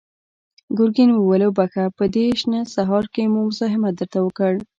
ګرګين وويل: وبخښه، په دې شنه سهار کې مو مزاحمت درته وکړ.